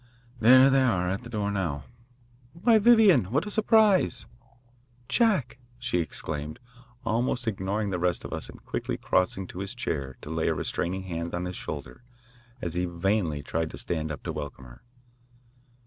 There they are at the door now. Why, Vivian, what a surprise. "Jack!" she exclaimed, almost ignoring the rest of us and quickly crossing to his chair to lay a restraining hand on his shoulder as he vainly tried to stand up to welcome her.